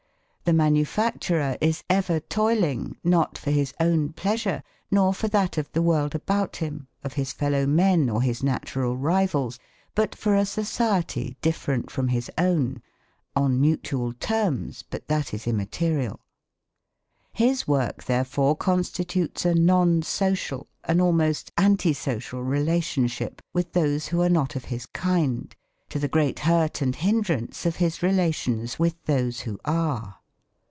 The manufacturer is ever toiling, not for his own pleasure nor for that of the world about him, of his fellow men or his natural rivals, but for a society different from his own on mutual terms, but that is immaterial. His work, therefore, constitutes a non social, an almost anti social relationship with those who are not of his kind, to the great hurt and hindrance of his relations with those who are.